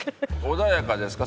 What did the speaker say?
穏やかですか？